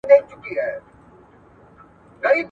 وروسته جلا سوي.